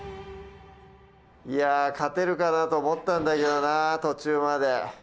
いやあ勝てるかなと思ったんだけどな途中まで。